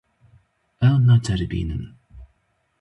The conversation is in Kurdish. Ew naceribînin.